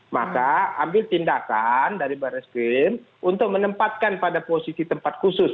maka ambil tindakan dari baris krim untuk menempatkan pada posisi tempat khusus